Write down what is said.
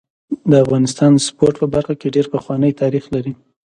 د افغانستان د سپورټ په برخه کي ډير پخوانی تاریخ لري.